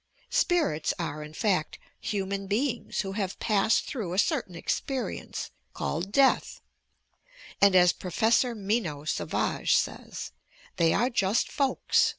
Spirits are, in fact, human beings who havi; pas scd tbrough a certain experience, called "death" and, as Professor Minot Savage said, "They are just folks."